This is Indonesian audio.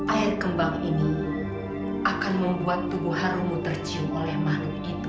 air kembang ini akan membuat tubuh harumu tercium oleh makhluk itu